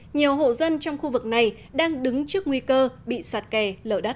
nhiều hộ dân trong khu vực này đang đứng trước nguy cơ bị sạt kè lở đất